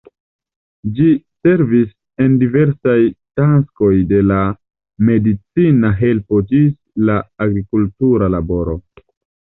Ĝi servis en diversaj taskoj de la medicina helpo ĝis la agrikultura laboro.